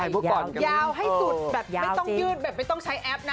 ยาวให้สุดแบบไม่ต้องยืนไม่ต้องใช้แอปนะ